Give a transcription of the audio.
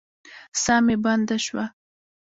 ساه مې بنده شوه.